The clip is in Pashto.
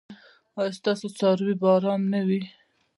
ایا ستاسو څاروي به ارام نه وي؟